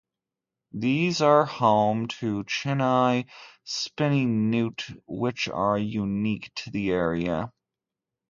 These are home to Chinhai Spiny Newt, which are unique to the area.